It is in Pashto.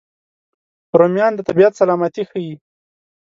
رومیان د طبیعت سلامتي ښيي